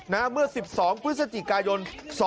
นะเมื่อ๑๒วิสัจิกายน๒๕๕๗